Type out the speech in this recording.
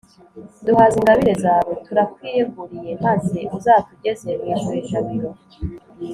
duhaze ingabire zawe, turakwiyeguriye, maze uzatugeze mu ijuru i jabiro